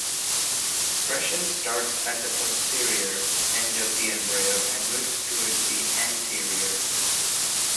Expression starts at the posterior end of the embryo and moves towards the anterior.